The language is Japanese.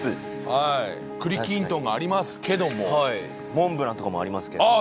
はい栗きんとんがありますけどもモンブランとかもありますけどああ